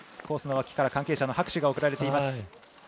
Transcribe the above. コースの脇から関係者の拍手が送られました。